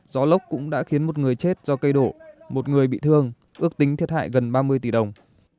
gió lốc cũng đã khiến một người chết do cây đổ một người bị thương ước tính thiệt hại gần ba mươi tỷ đồng